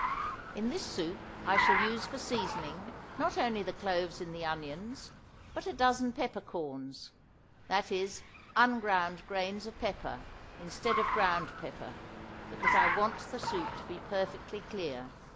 In this soup I shall use for seasoning not only the cloves in the onions, but a dozen peppercorns that is, unground grains of pepper, instead of ground pepper, because I want the soup to be perfectly clear.